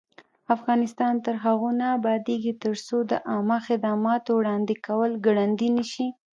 افغانستان تر هغو نه ابادیږي، ترڅو د عامه خدماتو وړاندې کول ګړندی نشي.